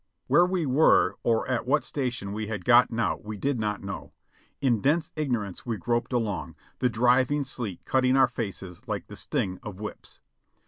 Where we were or at what station we had gotten out we did not know. In dense ignorance we groped along, the driving sleet cutting our faces like the sting of whips.